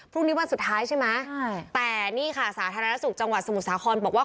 พรุ่งนี้วันสุดท้ายใช่ไหมใช่แต่นี่ค่ะสาธารณสุขจังหวัดสมุทรสาครบอกว่า